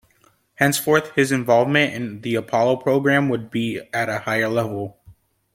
Henceforth his involvement in the Apollo program would be at a higher level.